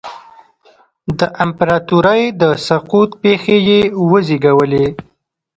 د امپراتورۍ د سقوط پېښې یې وزېږولې